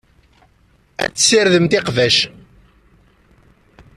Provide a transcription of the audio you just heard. Ad tessirdemt iqbac.